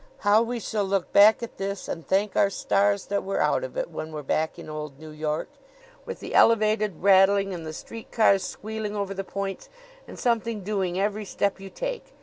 How we shall look back at this and thank our stars that we're out of it when we're back in old New York, with the elevated rattling and the street cars squealing over the points, and something doing every step you take.